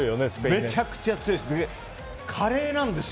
めちゃくちゃ強いです。